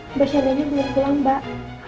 mbak sienna ini beli pulang mbak